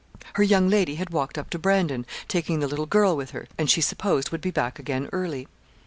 Her young lady had walked up to Brandon, taking the little girl with her, and she supposed would be back again early.